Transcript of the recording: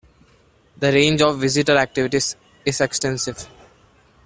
The range of visitor activities is extensive.